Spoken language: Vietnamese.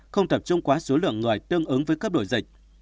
không tập trung quá số lượng người tương ứng với cấp đổi dịch